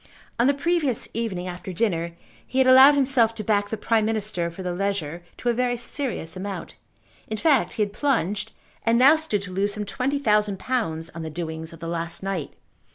On the previous evening, after dinner, he had allowed himself to back the Prime Minister for the Leger to a very serious amount. In fact he had plunged, and now stood to lose some twenty thousand pounds on the doings of the last night.